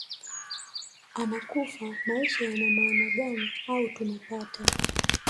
anakufa maisha yana maana gani au tunapata